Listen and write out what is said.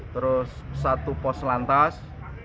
terus satu pos lantas